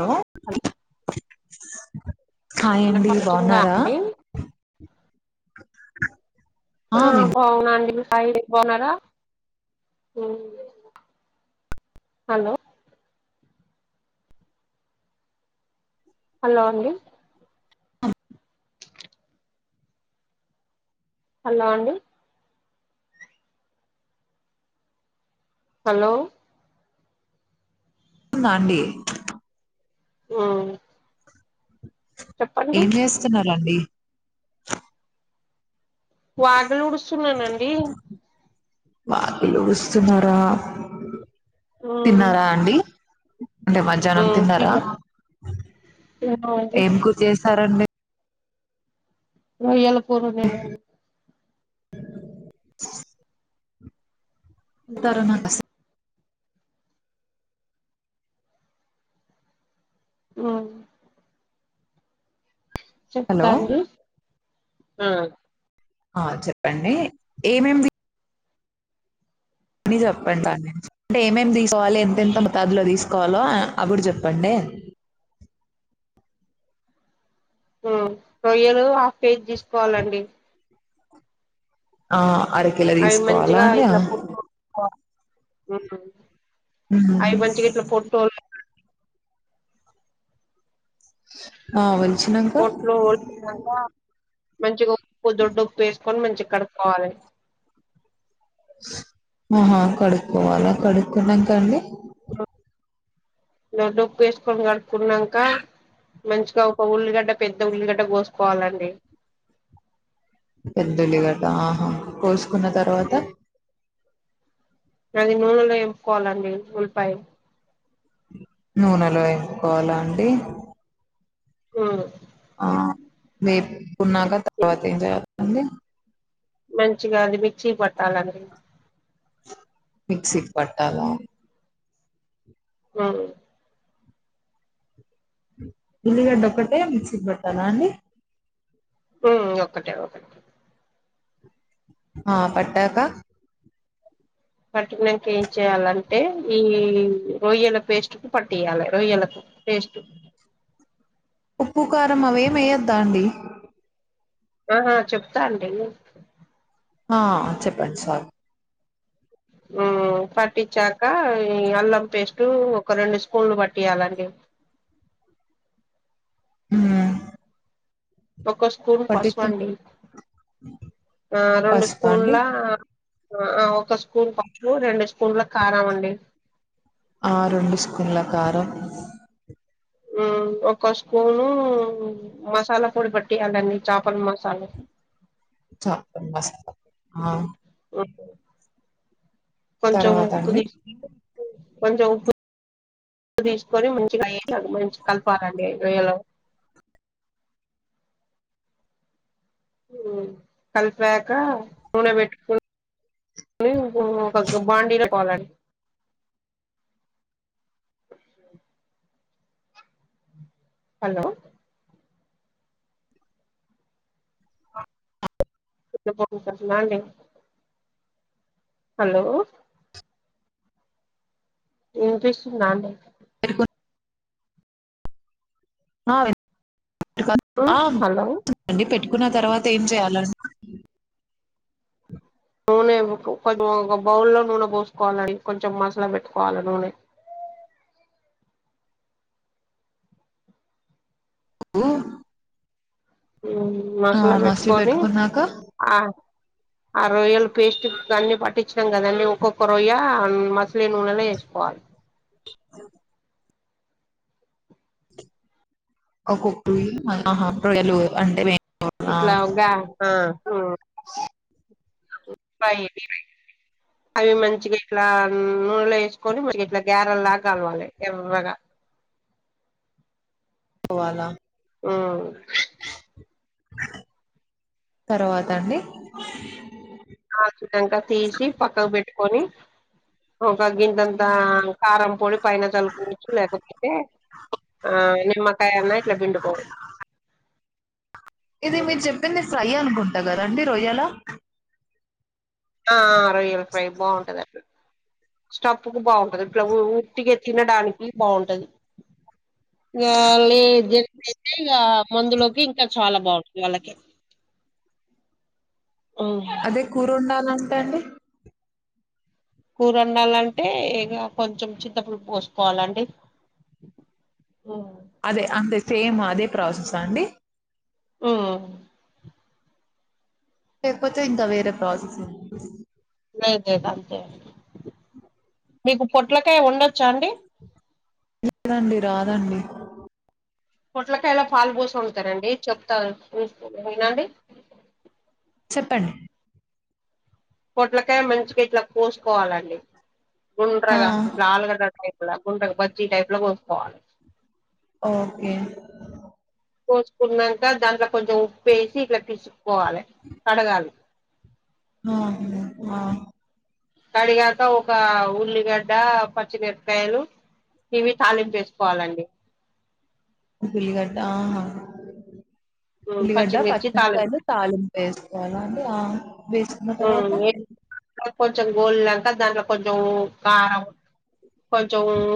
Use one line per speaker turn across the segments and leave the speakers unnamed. ఓ
హల్
హాయ్ యండి
వినపడుతుందా
బాగున్నారా
అండి ఆ బావు నా నండి హాయ్ బాగునారా ఉమ్ హలో హలో అండి హలో అండి హలో
ఉ నండి
ఆ
ఏం చేస్తున్నరండి
వాగిలూడుస్తున్నానండి
వాకిలు ఊడూ స్తున్నారా
మ్మ్
తిన్నారా అండి అంటే మధ్యాహ్నం
మ్మ్
తిన్నారా
తిన్నా తిన్నామండి
ఏంకూర చేశారండి
రొయ్యాల కూర వండను
తారణస
అ
హలో
చెప్తాంది ఆ
ఆ చెప్పండి ఏమేమి అది చెప్పండి అంటే ఏమేమి తీసుకోవాలి ఎంతెంత మతాదులో తీసుకోవాలో అ కూడా చెప్పండి
హ కొొయ్యలు హాఫ్ పేజీ తీసుకోవాలండి
ఆ అరకిలో తీసుకోవాలా అండి
అ
ఉ ఆ ఒలిచినంక
పొట్లో బాగా మంచిగా ఉప్పు దొడ్డు ఉప్పు వేస్త కొన్ని మంచిక్కడుకోవాలి
ఆహా కడుక్కోవాలా కడుక్కున్నాక అండి
దడ్డ ఉప్పు వేసుకొని కడుకున్నాక మంచిగా ఒక ఉల్లిగడ్డ పెద్ద ఉల్లిగడ్డ కోసుకోవాలండి
పెద్దలిగట ఆహా కోసుకున్న తర్వాత
అది నూనెలో ఎంపుకోవాలండి ఉలిపాయం
నూనెలో ఎంపుకోవాల అండి
ఆ
ఆ వేపున్నాక తర్వాత ఏం చేయాలి అండి
మంచిగాదు మీకు చ్చీ పట్టాల అండి
మిక్సీ కి పట్టాలా
ఆ
ఉల్లిగడ్డక్కటే మిక్సీ కి పట్టాలా అండి
ఉ ఒక్కటే ఒకటే
ఆ పట్టాక
పట్టినాక ఏం చెయాలంటే ఈ రొయ్యల పేస్ట్ కు పట్టియాలి రొయ్యలకు పేస్ట్
ఉప్పు కారమ అవే మేయద్దాండి
ఆహా చెప్తా అండి
ఆ చెప్పండి సార్
పట్టించాక ఈ అల్లం పేస్ట్ ఒక రెండు స్పూన్లు పట్టియాలండి
ఆ
ఒక స్పూన్ పసువ అండి ఆ రెండు
పసుపు అండి
స్పూన్లా ఒక స్పూన్ ఓ రెండు పల కారమండి
ఆ రెండు స్పూన్ల కారం
ఒక స్పూను మసాలా పొడి పట్టటియాలండి చేపల మసాలా పొ
చ మస్
ఇ కొంచం
తర్వాత అండి
పుది కొంచెం ఉప్పు ఉ తీసుకొని మంచిగా అ మంచి కలపాలండియలో కలిపాక నూనె పెట్టుకుని ఒక బాండీలో పోలాలి హలో
[inaudible]
ఎ పో సన్నా హలో ఇంటిషన్నా
పెట్టుకు
హలో
హ
హలో
టుండి పెట్టు కున్న తర్వాత ఏం చేయాల
నూనె కొంచెం ఒక బౌల్లో నూనె పోసుకోవాలని కొంచెం మసాలా పెట్టుకోవాలి నూనె
ఆ
మసాలా
మసిలి
పెట్టుకొని
పెట్టుకున్నాక
ఆ ఆ రొయ్యలు పేస్ట్ అన్ని పట్టించినాం కదన్నీ ఒక్కొక్క రొయ్య మసలే నూనెలో వేసుకోవాలి
అ ఆకు రలు అంటేే
ఇట్లా ఉకా యి అవి మంచిగా ఇట్లా నూనెలో వేసుకొని మంచి ఇట్లా గ్యారెలాగా కలవాలి ఎవ్వ్రగా
పోవాలా
ఆ
తర్వాత అండి
ఆ శ్రతంక తీసి పక్కగ బట్ కని ఒక్ గంతంత కారం పొడి పైన తలు కూచ్చు లేకపోతే ఆ నిమ్మకాయ అన్న ఇట్లా బిండిపోవచ్చు
ఇది మీరు చెప్పింది నేను ఫ్రై అనుకుంటాను దగ రండి రోయ్యలో
ఆ రోయల్ ఫ్రై బాగుంటది అట్లు స్టప్పు కు బాగుంటది ఇట్లా ఉత్తిగా తినడానికి బాగుంటది ఇ లే జం అయితే ఇ మందులోకి ఇంకా చాలా బాగుంటుంది తళకి [inaudible]
అదే కూరుండాల ఉంటాండి
కూరండాలంటే ఇక కొంచెం చింతపుడు పోసుకోవాలండి ఉమ్
అదే అంతే సేమ్ అదే ప్రాసెస్సా అండి
ఆ
లేకపోతే ఇంకా వేరే ప్రాసెస్
లేదు లేదు అంతే మీకు పొట్లకాయ ఉండొచ్చా అండి
లేదండి రాదండి
పొట్లకాయల పాలు పోసి వండుతారండి చెప్తా వినండి
చెప్పండి
పొట్లకాయ మంచిగా ఇట్లా కోసుకోవాలండి
ఆ
గుండ్రగా ఇట్ల ఆలుగడ్డ టైప్ ఇట్ల గుండ్రంగా బజ్జీ టైప్ లో కోసుకోవాలి
ఓకే
కోసుకున్నాక దాంట్లో కొంచెం ఉప్పేసి ఇట్లా పిసుకోవాలి కడగాలి
ఆ ఆ
కడిగాక ఒక ఉల్లిగడ్డ పచ్చిమిరపకాయలు ఇవి తాలింపేసుకోవాలండి
ఉల్లిగడ్డా
ఉమ్
ఉల్లిగడ్డ
పచ్చిమిర్చి
పచ్చి
తాలింపు
మిరకాయలు తాలింపు వేసుకోవాల అని ఆ వేచన్న తత
కొంచం గోల్లాకాదా కొంచం కారంం కొంచంచం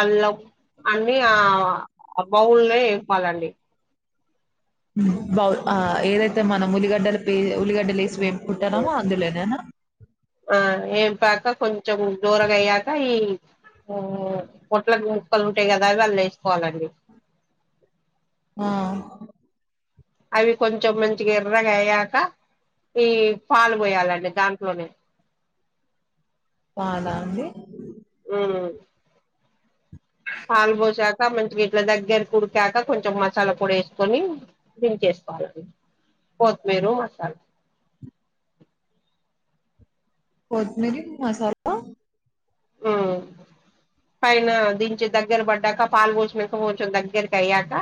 అళ అన్ని ఆ బౌల్నే ఏపాలండి
బా ఏదైతే మన ములిగడ్డలు పే ఉల్లిగడ్డలో స్వే పుట్టనమా అందులోనేనా
పగా కొంచెం జ్వర గయయాక ఈ పొట్ల ముక్కలు ఉంటాయి కదా అవి వాళ్ళు వేసుకోవాలండి
ఆ
అవి కొంచెం మంచిగా ఎర్రగా అయ్యాక ఈ పాలు పోయాలండి దాంట్లోనే
బదా అంది
అ హల్ బో జగా మ వీట్ల దగ్గర కూడికాక కొంచెం మసాలా కూడా వేసుకొని దంచేసుకోవాలని కొత్తిమీర మసాలా
కొత్మరి మసాలా
ఉ పైన దించే దగ్గర పడ్డాక పాలు పోచుినంక పోచొని దగ్గరకి అయ్యాక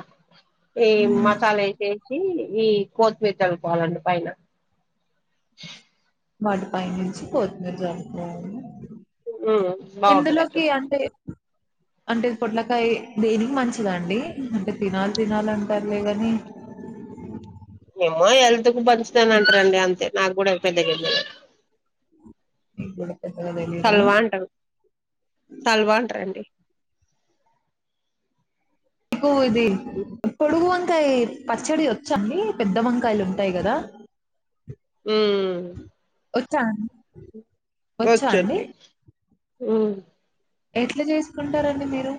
ఏ మసాల వ ఈ కోతిమీ తెలు పోవాలండి పైన
వాటి పై నుంచి పోతుమరు చదుకో
బాగుంటుంది అ చూ
అంటే అంటే పొట్లకాయ దేనికి మంచిదండి అంటే తినాలి తినాలి అంటారులే కాని
ఏమో హెల్త్ కు పంచుతాన అంటారండి అంతే నాకు కూడా పెద్ద గద్ద
ఇ
సలవా అంటారు సలవాంటారుండి
ది కొడుగుంత వంకాయ పచ్చడి వచ్చండి పెద్ద వంకాయలు ఉంటాయి కదా
ఉ
వచ్చా వచ్చా అండి
వచ్చంది ఆ
ఎట్లా చేసుకుంటారండి మీరు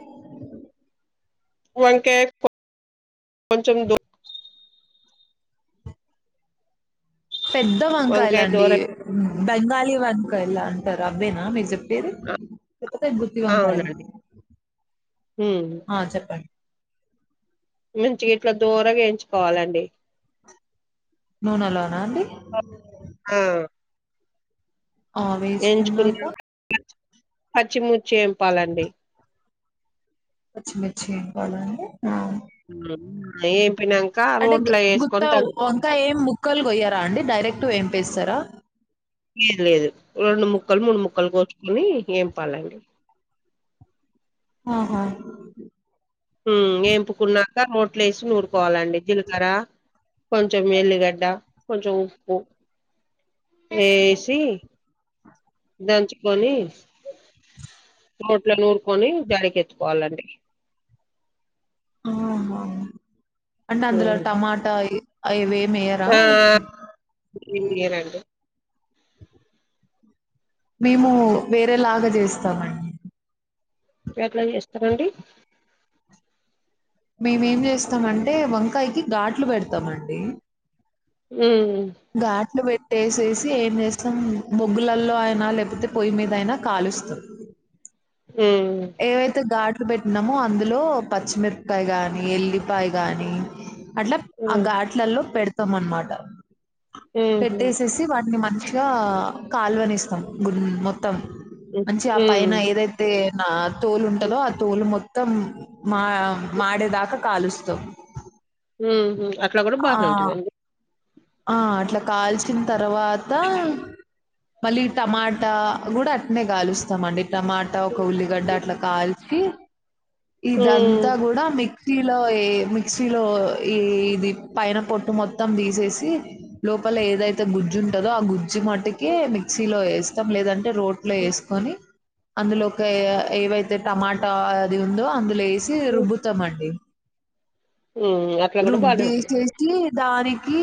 వంకే కొంచం దో
పెద్ద వంకాయలు
వంకాయ
అండి
దూరగా
బెంగా అవ అంక ఇలా అంతారు అబ్బే నా మ మీ చెప్ పేరు
ఆ!
చెప్పతే బుద్ధవంకాలు
అవునండి హ్మ్.
ఆ చెప్పండి
మంచి ఇట్లా దూరంగాేయించుకోవాలండి
నూనెలోనా అండి
ఆ
ఆ వేచుకున్నాక
పచ్చిమూర్చి ఏంపాలండి
మచ్చిమిచ్చిాల
ఏ
అంటే గుత్త అంకా ఏం ముక్కలు గయారు అండి డైరెక్ట్ ఏం పస్తారా
లేదు లేదు రెండు ముక్కలు మూడు ముక్కలు కోస అని ఏం పాలండి
ఆహా
ఎంపుకున్నారు పలేసి నూరుకోవాలండి జీలకర కొంచం మల్లిగడ్డ కొంచెం ఉప్పు ఏసి దంచి కొని రోట్ల నూరుకొని జడికి ఎత్తుకోవాలండి
ఆ అంటే అందులో టమాటా అవిే
ఆ రండి
మేము వేరేలాగా చేస్తామండి
ఎట్లా చేస్తారంండి
మేముేం చేస్తామంటే వంకాయకి ఘాట్లు పెడతామండి
ఉ
ఘాట్లు పెట్ టేస్ వేసి ఏం చేస్తాం మొగ్గులలో అయినా లేకపోతే పొయ్యి మీద అయినా కాలుస్తాం
హ్మ్
ఏవతే గార్ట్ ఇ పెట్టినాము అందులో పచ్చిమిరపకాయ కానీ ఎల్లిపాయ కానీ అట్లా ఆ
హ్మ్
ఘాట్లలో పెడత త్తమనమాట పెట్టేసేసి వాటిని మంచి ఇకా కాలువని ఇస్తాం గు మొత్తం
ఊహూ
మంచి ఆ
హ్మ్
పైన ఏదైతే తోలు ఉంటదో ఆ తోలు మొత్తం మా మాడేదాకా కాలుస్తాం
ఉ అ అట్లా కూడా
ఆ
బాగానే ఉంటుందండి
ఆ అట్లా కాల్చిన తర్వాత మళ్ళీ టమాటా కూడా అట్నే కాలుస్తామండి టమాటా ఒక ఉల్లిగడ్డ అట్లా కాల్చ
హ్మ్
ఇదంతా కూడా మీకు మిక్సలో ఏ మిక్సీలో ఈ ఇది పైన పొట్టు మొత్తం తీసేసి లోపల ఏదైతే గుజు ఉంటందో ఆ గుజ్జు రుచ్చి మట్టుటికి మిక్సీలో వేసి ష్టం లేదండి అ రోట్ లో వేసుకొని అందులో ఒక ఏవైతే టమాటా అది ఉందో అందులో సి రుబ్బుతాంండి
హ్మ్ అట్లా కూడా
రుబ్బి
బానే
వ
ఉంటదండి
చేేసి దానికి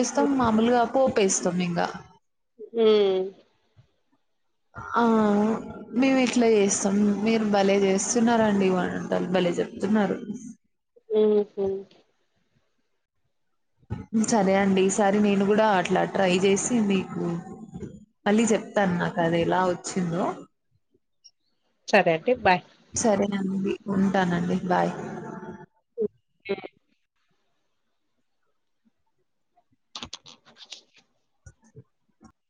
ఈ స్తాం మామూలుగాపో పేస్తతాం మీంగా
హ
ఆ మేము ఇట్లా చేస్తాం మీరు భలే చేస్తున్నండి ఇంటారు భలే చెప్తున్నారు
ఉ
సరే అండి ఈసారి నేను కూడా అట్లా ట్రై చేసి మీకు మళ్ళీ చెప్తాను నాకు అది ఎలా వచ్చిందో
సరే అండి బాయ్
అడి ఉంటానండి బాయ్
[inaudible] [inaudible]